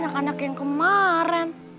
tuh kan anak anak yang kemaren